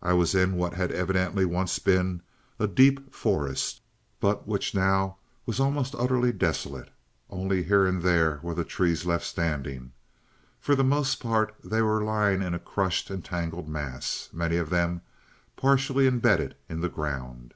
I was in what had evidently once been a deep forest, but which now was almost utterly desolated. Only here and there were the trees left standing. For the most part they were lying in a crushed and tangled mass, many of them partially embedded in the ground.